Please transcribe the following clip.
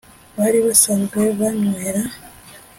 bari basanzwe banwera.